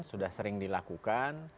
sudah sering dilakukan